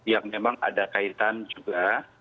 yang memang ada kaitan juga